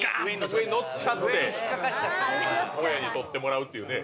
上にのっちゃって親に取ってもらうっていうね。